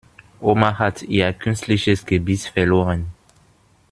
Oma hat ihr künstliches Gebiss verloren.